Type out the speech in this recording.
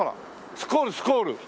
スコールスコール。